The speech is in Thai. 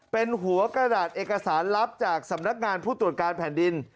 เป็นหัวกระดาษเอกสารลับจากสำนักงานผู้ตรวจการแผ่นดิน